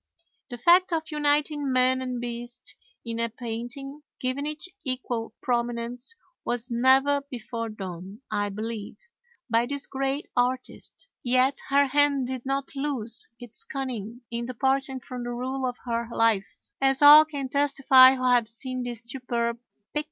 The fact of uniting man and beast in a painting, giving each equal prominence, was never before done, I believe, by this great artist, yet her hand did not lose its cunning in departing from the rule of her life, as all can testify who have seen this superb picture.